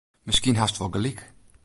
Miskien hast wol gelyk.